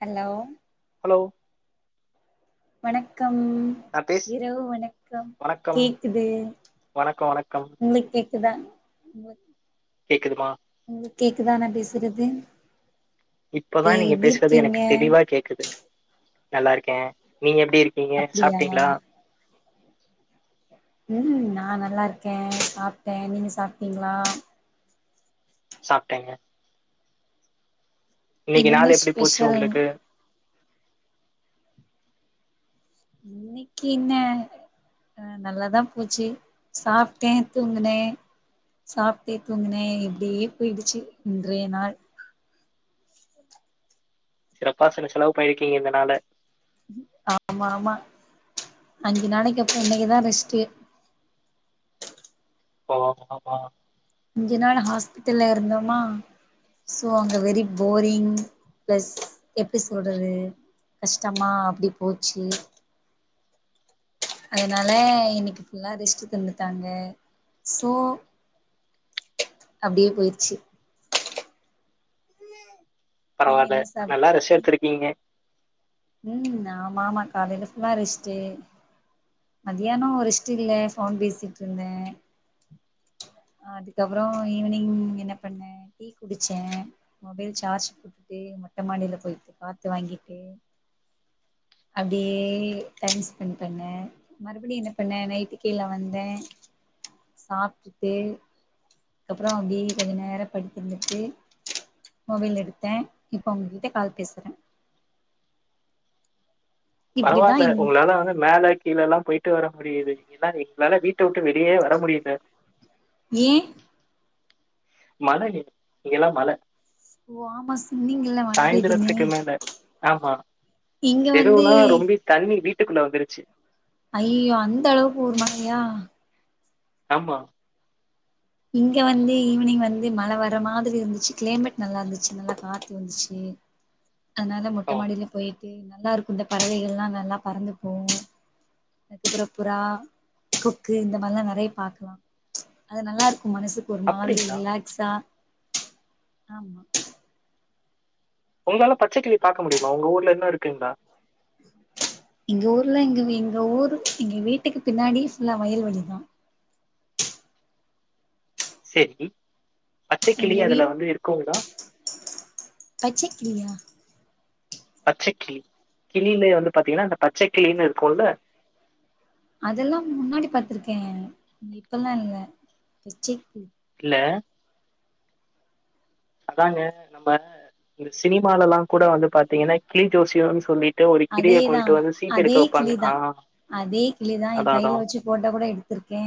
Hello hello வணக்கம் நா பேஸ் இரவு வணக்கம் வணக்கம் கேக்குது வணக்கம் வணக்கம் உங்களுக் கேக் இதா கேக்குதுமா உங்களுக்கு கேக்குதா நா பேசுறது இப்பதா ஏ நீங்க எப்டி பேசுறது எனக்கு இருக்கீங்க தெளிவா கேக்குது நல்லாருக்கே நீ எப்டி இருக் கீங்க அப்டியா சாப்ட்டீங்ளா ம் நா நல்லா இருக்கே சாப்ட்டே நீங்க சாப்ட்டீங்களா சாப்ட்டேங்க இன்னைக்கு என்ன நாளு எப்டி போச்சு ஸ்பெஷல் ஒங்களுக்கு இன்னைக்கு என்ன அ நல்லாதா போச்சு சாப்ட்டே தூங்குனே சாப்ட்டே தூங்குனே இப்டியே போயிடுச்சு இன்றைய நாள் சிறப்பா [unintelligible] செலவு பண்ணிருகீங்க இந்த நாள ம் ஆமாமா அஞ்சு நாளைக்கு அப்பற இன்னைக்குதா ரெஸ்ட்டு [unintelligible] அஞ்சு நாள் ஹாஸ்பிட்டல்ல இருந்தோமா சோ அங்க வெரி போரிங் பிளஸ் எப்டி சொல்றது கஷ்டமா அப்டி போச்சு அதனால இன்னிக்கு ஃபுல்லா ரெஸ்ட்டு தந்துட்டாங்க ஸோ அப்டியே போயிடுச்சு நீங்க பரவால்ல என்ன சாப் நல்லா ரெஸ்ட்டு எத்துருக்கீங்க ம் ஆமாமா காலையில ஃபுல்லா ரெஸ்ட்டு மதியானோ ஒ ரெஸ்ட்டு இல்ல ஃபோன் பேசிட்டு இருந்தே அதுக்கப்புற ஈவினிங் என்ன பண்ணே டீ குடிச்சே மொபைல் சார்ஜ் போட்டுட்டு மொட்ட மாடியில போயிட்டு காத்து வாங்கிட்டு அப்டியே டைம் ஸ்பெண் பண்ணே மறுபடியு என்ன பண்ணே நைட்டு கீழ வந்தே சாப்ட்டுட்டு அதுக்கப்புறோ அப்டி கொஞ்ச நேரோ படித்திருந்துட்டு மொபைல் எடுத்தே இப்ப உங்ககிட்ட கால் பேசுறே இப்டிதா பரவால்ல இன் உங்களால [unintelligible] மேல கீழல்லா போயிட்டு வர முடியிது [unintelligible] எங்களால வீட் டவிட்டு வெளியே வர முடியல ஏன் மழ இன்னிக் இங்கல்லா மழ ஓ ஆமா சொன்னிங்கல்ல மழ பெய்யுதுனு சாயந்திரத்துக்கு மேல ஆமா இங்க வந்து தெருவுலா ரொம்பி தண்ணி வீட்டுக்குள்ள வந்துருச்சு ஐய்யயோ அந்த அளவுக்கு ஒரு மழையா ஆமா இங்க வந்து ஈவ்னிங் வந்து மழ வர மாரி இருந்துச்சு கிளைமேட் நல்லா இருந்துச்சு நல்லா காத்து வந்துச்சு அதனால மொட்ட ஆ மாடியிலே போயிட்டு நல்லா இருக்கு இந்த பறவைகள்லா நல்லா பறந்து போகு அதுக்கப்புறோ புறா கொக்கு இந்த மாரிலா நெறையா பாக்குலா அது நல்லா இருக் கு மனசுக்கு ஒரு மாரி அப்டிங்களா ரிலாக்ஸா ஆமா ஒங்களால பச்சகிளி பாக்க முடியுமா ஒங்க ஊர்ல இன்னு இருக்குங்க்லா எங்க ஊர்ல எங்க வீ எங்க ஊர் எங்க வீட்டுக்கு பின்னாடி ஃபுல்லா வயல்வெளிதா சேரி பச்சைக்கிளி எங்க வீ அதுல வந்து இருக்குங்களா பச்சக்கிளியா பச்சைக்கிளி கிளியிலே வந்து பாத்தீங்கன்னா அந்த பச்சைக்கிளின்னு இருக்கும்ல அதெல்லா முன்னாடி பாத்திருக்கே இப்பெல்லா இல்ல பச்சைக்கிளி இல்ல அதாங்க நம்ம இந்த சினிமாலலா கூட வந்து பாத்தீங்கன்னா கிளி ஜோசியோன்னு சொல்லி ஒரு கிளிய அதேதா கொண்டு வந்து சீட்டு எடுக்க அதே வைப்பாங்க கிளிதா ஆ அதா அதா ஓட்ட கூட எடுத்திருக்கே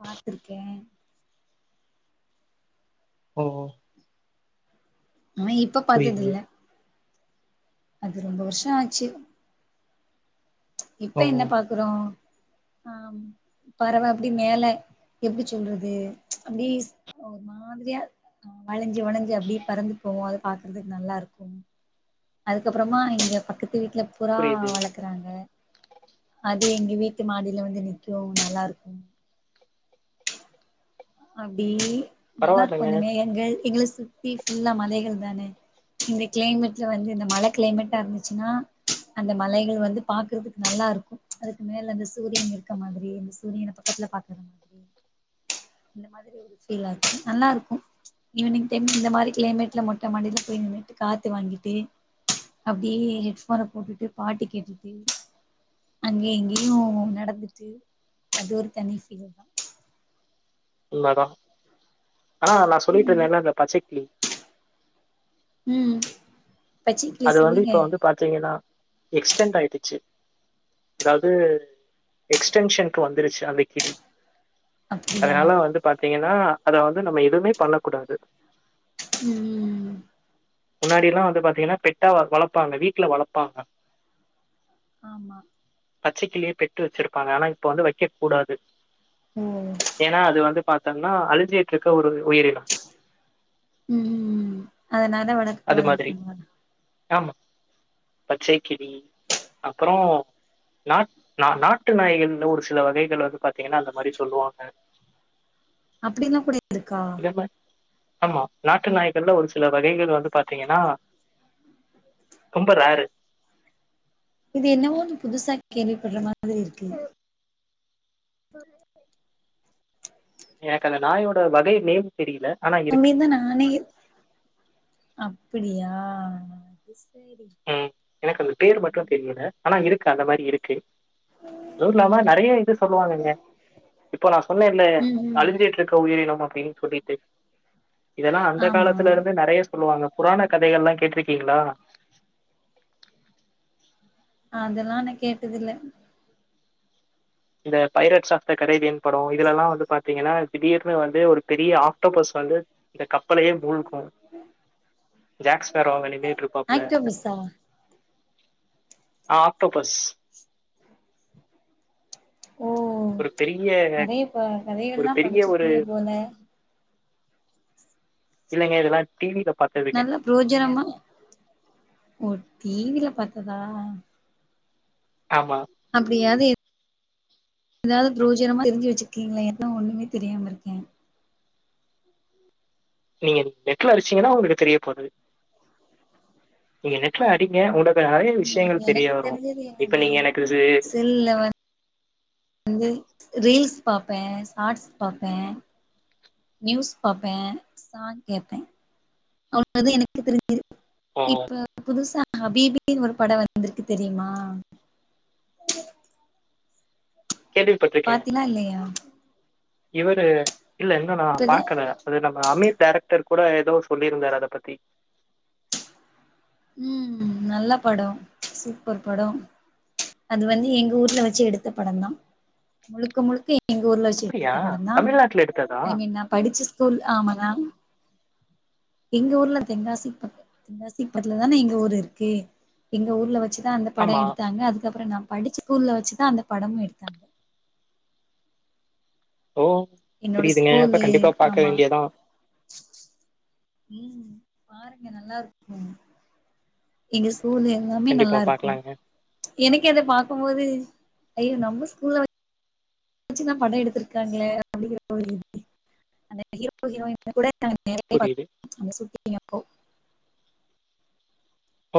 பாத்துருக்கே ஓஹோ ஆ இப்ப புரியுது பாத்ததில்ல அது ரொம்ப வருஷ ஆச்சி இப்ப ஓ என்ன பாக்குறோ ஆமா பறவ அப்டி மேல எப்டி சொல்றது அப்டி ஸ் ஒரு மாதிரியா வளஞ்சி வளஞ்சி அப்டியே பறந்து போவு அத பாக்குறதுக் நல்லா இருக்கு அதுக்கப்புறமா எங்க பக்கத்து வீட்ல புறா புரியுது வளக் றாங்க அது எங்க வீட்டு மாடில வந்து நிக்கு நல்லா இருக்கு அப்டி நல்லாருக்கு பரவாயில்லங்க அந்த மே எங்கள் எங்கள சுத்தி ஃபுல்லா மலைகள் தானே இந்த கிளைமேட்ல வந்து இந்த மழ கிளைமேட்டா இருந்துச்சினா அந்த மலைகள் வந்து பாக்குறதுக் நல்லா இருக்கு அதுக்கு மேல அந்த சூரியன் இருக்க மாதிரி இந்த சூரியன பாக் ரோட்ல பாக்கறோ இந்த மாதிரி ஒரு ஃபீலா இருக்கு நல்லா இருக்கு ஈவினிங் டைம் இந்த மாரி கிளைமேட்ல மொட்ட மாடியில போய் நின்னுட்டு காத்து வாங்கிட்டு அப்டியே ஹெட்ஃபோன போட்டுட்டு பாட்டு கேட்டுட்டு அங்க இங்கயு நடந்துட்டு அது ஒரு தனி ஃபீல் தா உண்மதா ஆனா நா சொல்லிட் ம் இருந்தேன்ல்ல அந்த பச்சைக்கிளி ம் பச்சைக்கிளி அது வந்து இப்ப சொல்லுங்க வந்து பார்த்தீங்கனா எக்ஸ்டெண்ட் ஆயிடுச்சி அதாவது எக்ஸ்டென்ஷனுக்கு வந்துருச்சி அந்த கிளி அப்டியா அதனால வந்து பார்த்தீங்கனா அத வந்து நம்ம எதுவுமே பண்ண கூடாது ம்ம்ம் முன்னாடில்லா வந்து பாத்தீங்கனா பெ ட்டா வளப்பாங்க வீட்ல வளப்பாங்க ஆமா பச்சைக்கிளிய பெட்டு வச்சிருப்பாங்க ஆனா இப்ப வந்து வக்கக் கூடாது ம் ஏனா அது வந்து பாத்தோம்னா அல்ஜியேட் இருக்க ஒரு உயிரினம் ம் ம் அதனால வளக் அது மாதிரி ஆமா பச்சைக்கிளி அப்பரோ நா நா நாட்டு நாய்கள்ல ஒரு சில வகைகள் வந்து பாத்தீங்கனா அந்த மாரி சொல்லுவாங்க அப்டிலா கூட இருக்கா ஆமா நாட்டு நாய்கல்ல ஒரு சில வகைகள் வந்து பாத்தீங்கனா ரொம்ப ரேரு இது என்னவோ நீ புதுசா கேள்விபட்ற மாதிரி இருக்கு எனக்கு அந்த நாயோட வகை நேம் தெரியல ஆனா இருக்கு அப்டின்னு தான் நானே அப்டியா சரி ம் எனக்கு அந்த ஆ பேர் மட்டும் ம் தெரியல ஆனா இருக்கு அந்த மாரி இருக்கு அதுவு இல்லாம நறைய இது சொல்லுவாங்கங்க இப்போ நா சொன்னேல்ல ம் அழுஞ்சிட்டு இருக் ட்ரோ உயிரினம் அப்டின் சொல்லிட்டு இதெல்லா அந்த ஆமா காலத்தில இருந்து நறைய சொல்லுவாங்க புராண கதைகள் எல்லாம் கேட்டிக்கீங்ளா அதெல்லாம் நா கேட்டது இல்ல இந்த பைரட்ஸ் ஆப் த கரேன் படோ இதலெல்லா வந்து பா த்தீங்னா திடீர்னு வந்து ஒரு பெரிய ஆக்டோபஸ் வந்து இந்த கப்பலே மூழ்கு ஜாக்ஸ்பர் அவங்க நின்ட்டு இருப்பாப்ல ஆக்டோபஸா அ ஆக்டோபஸ் ஓ ஒரு பெரிய நறைய ப ஒரு கதைகள்ல்லா பெரிய ஒரு படிச்சிக்கீங்க போல இல்லங்க இதெல்லா டிவி நல்லா பொர்ஜனமா ஓ டிவில பாத்ததா ஆமா அப்டியாது ஏதாவது பிரோஜனமா தெரிஞ்சு வச்சிருக்கீங்ளே எனக்குல ஒண்ணுமே தெரியாம இருக்கே நீங்க நெட்ல அடிச்சீங்னா உங்களுக் தெரிய போகுது நீங்க நெட்ல அடிங்க உங்க இப்ப நெறைய ம் விஷயங்கள் தெரிய வரு இப்ப நீங்க எனக்கு இது இல்ல வ ந்து ரீல்ஸ் பாப்பே ஷாட்ஸ் பாப்பே நியூஸ் பாப்பே சாங்ஸ் கேப்பே அவ்ளோதா எனக்கு தெரிஞ்சது இது இப்ப புதுசா ஹபிபினு ஒரு பட வந்திருக்கு தெரியுமா கேள்விப்பட்டிருக்கேன். பாத்திங்லா இல்லயா இவரு இல்ல இன்னு நா இப்பதா பாக்கல அது நம்ம அமீர் டேரக்டர் கூட ஏதோ சொல்லிருந்தார் அத பத்தி ம் நல்ல படொ சூப்பர் படொ அது வந்து எங்க ஊர்ல வச்சு எடுத்த படோதா முழுக்க முழுக்க எங்க ஊர்ல வச்சு அப்படியா? எடுந்த படோதா தமிழ்நாட்டுல எடுத்ததா? ஐ மீன் நா படிச்ச ஸ்கூல் ஆமானா எங்க ஊர்ல தெங்காசி பக்க தெங்காசி பக்கத்துல தான எங்க ஊரு இருக்கு எங்க ஊர்ல வச்சு தா அந்த படோ ஆமா. எடுத்தாங்க அதுக்கப்றோ நா படிச்ச ஸ்கூல்ல வச்சுதா அந்த படமு எடுத்தாங்க ஓ என்னோட புரியுதுங்க அப்ப ஸ்கூலு கண்டிப்பா பாக்க ஆமா வேண்டியதா ம் பாருங்க நல்லா இருக்கு எங்க ஸ்கூல் லுமே கண்டிப்பா நல்லா இருக்கு பாக்கலாங்க. எனக்கு அத பாக்கபோது ஐயோ நம்ம ஸ்கூல்லா வச்சுலா படோ எடுத்திருக்காங்ளே அப்டிங்கற ஒரு இது புரியுது. [unintelligible]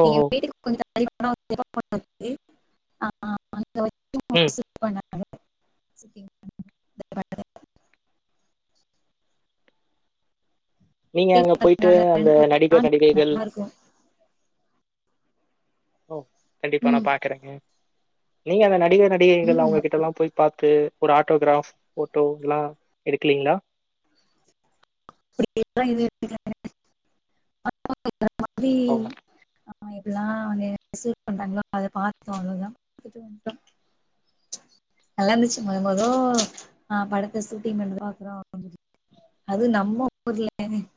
ஓ! ஓ. ம் [unintelligible] நீங்க அங்க கேட்டு பாருங்க போயிட்டு அதுல ரெண்டு அந்த நடிக நடிகைகள் நல்லா இருக்கு ஓ கண்டிப்பா நா ம் பாக்கறேங்க நீங்க அந்த நடிக நடிகைகள் ம் ஓகே அவுங்ககிட்டலா போய் பாத்து ஒரு ஆட்டோகிராப் போட்டோ லா எடுக்பிங்ளா ஓ! [unintelligible] ஆமா எப்டில்லா எக்சைட்பண்றாங்ளோ அத பாத்தோ அவ்ளோதா அப்டே வந்டோ நல்லா இருந்துச்சு மொத மொதோ ஆ படத்த சூட்டிங்க பாக்றோ அது நம்ம ஊர்ல ஐ மீன்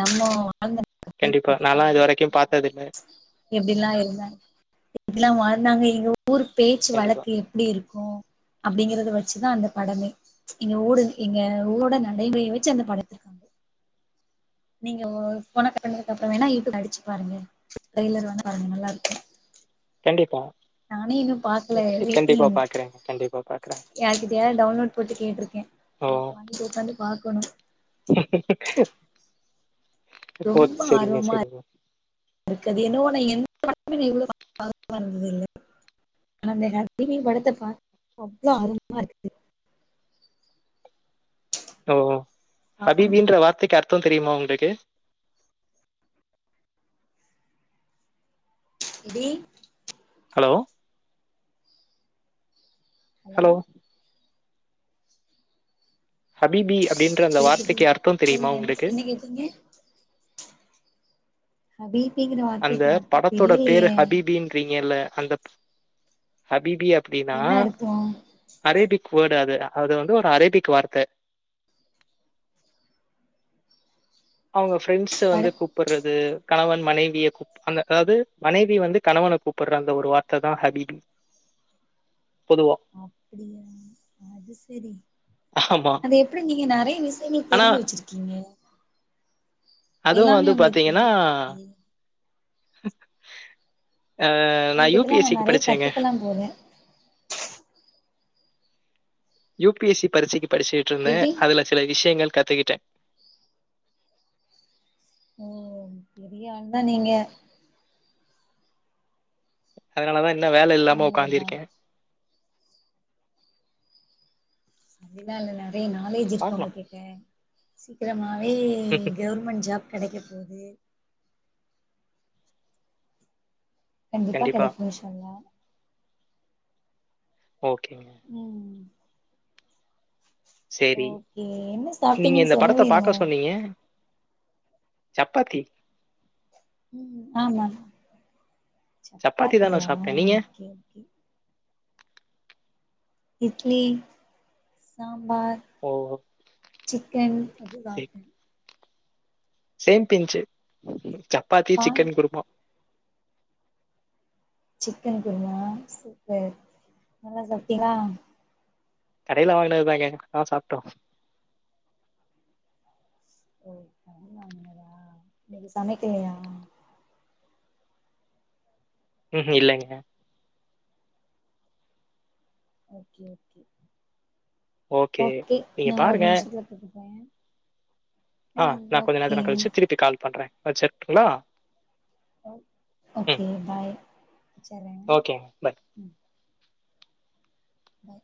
நம்மொ வாங்க [unintelligible] சூட்டிங் கண்டிப்பா. பத்தி நான்லாம் ரொம்ப இதுவரைக்கும் சொலுவாஙக பாத்ததில்ல. எப்டிலா இருந்தாங்க எப்டிலா வாழ்ந்தாங்க எங்க ஊரு பேச்சு கண்டிப்பா. வழக்கு எப் எப்டி இருக்கு அப்டிங்கறத வெச்சுதா அந்த படமே எங்க ஊட எங்க ஊடன நடைமுறைய வெச்சி அந்த படத்தருக்காங் நீங்க ஃபோன கட்பனதுக்கப்பறோ வேணா யூடுப்ல்ல அடிச்சி பாருங்க ட்ரெயலர் வந்து பாருங்க நல்லாருக்கு கண்டிப்பா நானே இன்னு பாக்கல கண்டிப்பா வெய்ட்டிங் பாக்குறேங்க. கண்டிப்பா பாக்குறேன். யாருகிட்டயாது டவுன்லோட் போட்டு கேட்டிருக்கே ஓ! கேட்டு வாங்கிட்டு உக்காந்து பாக்கணு ஓ செரிங்க செரிங்க இருக்காது என்னவோ ந எந்த படமே இவ்ளோ பரபரப்பா இருந்ததுல்ல ஐ யாம் ஹேப்பி படத்த பாக்க அவ்ளோ ஆர்வமா இருக்குது ஓ பாக்கணு ஹபிபின்ற வார்த்தைக்கு அர்த்தோ தெரியுமா ஒங்ளுக்கு இடி ஹலோ ஹலோ ஹபீபி அப்டின்ற அந்த வார்த்தைக்கு அர்த்தோ தெரியுமா ஒங்களுக்கு எங்கே ஹபீபிங்கன்ற வார் அந்த படத்தோட பேரு ஹபீபின்றிங்கல்ல அந்தப் ஹபீபி அப்டினா என்ன அர்த்தோ அரேபிக் வேர்டு அது அது வந்து ஒரு அரேபிக் வார்த்த அவுங்க ஃப்ரெண்ட்ஸ் பட வந்து கூப்பறது கணவன் மனைவிய கூப் அந்த அதாவது மனைவி வந்து கணவன கூப்பட்ற அந்த ஒரு வார்த்த தா ஹபீபி பொதுவா அப்பிடியா அது செரி ஆமா அது எப்டி நீங்க நெறைய விஷயங்கள் ஆனா தெரிஞ்சி வெச்சிருக் கீங்க அதுவு வந்து பாத்தீங்கன்னா தெரியுது எப்டி ஆ நா யூ பி எஸ் சிக்கு படிச்சேங்க போவே யு பி எஸ் சி பரிட்சைக்கு படிச்சிக்கிட்டுருந்தே எப்டி அதுல சில விஷயங்கள் கத்துக்கிட்டே ஓ பெரிய ஆள் தாநீங்க அதனால தா இன்னோ வேல இல்லாம நல்லதுதா ஒக்காந்திர்க்கே அப்டில்லா இல்ல நெறைய நாலேஜ் இருக்கு ஒங்க பார்க்கலாம் கிட்ட சீக்கிரமாவே கெவர்மெண்ட் ஜாப் கெடைக்க போது கண்டிப்பா கெடைக்கு இன்ஷா அல்லா ஓகேங்க ம் ம் செரி ஓகே என்ன நீங்க சாப்ட்டீங்கன்னு இந்த படத்த சொல்லவே இல்ல பாக்க சொன்னீங்க சப்பாத்தி ம் ஆமா சப்பாத்தி தான் சப்பாத்தியா நான் சாப்பிட்டேன் நீங்க ஓகோ ஓகே இட்லி சம்பார் ஓ சிக்கன் அதுதா சே பிஞ்சு சப்பாத்தி பா சிக்கன் குருமா சிக்கன் குருமவா சூப்பர் நல்லா சாப்ட்டீங்களா கடையில வாங்கினதுதாங்க ஆ சாப்ட்டோ ஓ கடையில வாங்கனதா இன்னைக்கு சமைக்கலையா கேட்டு இல்லைங்க ஓகே ஓகே ஓகே நீங்க நா ஒரு பாருங்க நிமிஷத்துல போட்டு போட்டுப்ப ஆ நான் கொஞ்ச நேரத்து நா கழிச்சு திருப்பி கால் பண்றே வச்சருடுங்களா ஓகே பாய் வச்சறேங்க ஓகேங்க பை ம்